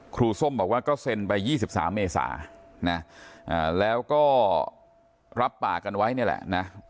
ส้มบอกว่าก็เซ็นไป๒๓เมษานะแล้วก็รับปากกันไว้นี่แหละนะ